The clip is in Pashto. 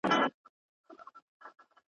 د یوویشتمي پېړۍ په درېیمه لسیزه کي ,